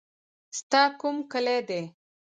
ستا کوم کلی دی.